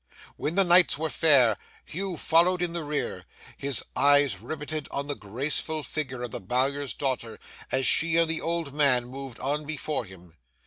When the nights were fair, Hugh followed in the rear, his eyes riveted on the graceful figure of the Bowyer's daughter as she and the old man moved on before him.